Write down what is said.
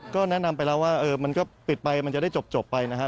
ก็แนะนำไปแล้วว่ามันก็ปิดไปมันจะได้จบไปนะครับ